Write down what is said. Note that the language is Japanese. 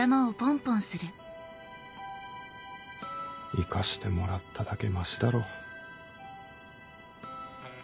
生かしてもらっただけマシだろ。